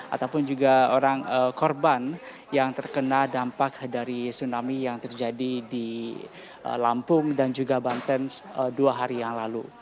ataupun juga orang korban yang terkena dampak dari tsunami yang terjadi di lampung dan juga banten dua hari yang lalu